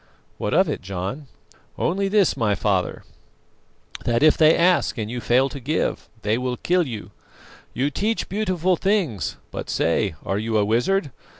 "What of it, John?" "Only this, my father, that if they ask and you fail to give, they will kill you. You teach beautiful things, but say, are you a wizard?